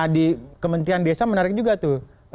nah di kementrian desa menarik juga tuh